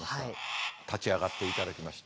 立ち上がっていただきまして。